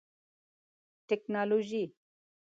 ټکنالوژي